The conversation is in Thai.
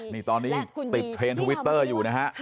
นี่ตอนนี้ติดเทรนด์ทวิตเตอร์อยู่นะฮะ